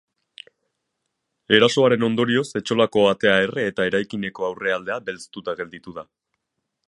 Erasoaren ondorioz, etxolako atea erre eta eraikineko aurrealdea belztuta gelditu da.